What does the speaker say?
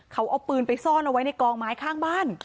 เขาเอาปืนไปซ่อนเอาไว้ในกองไม้ข้างบ้าน